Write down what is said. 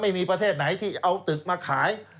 ประเทศไหนที่เอาตึกมาขาย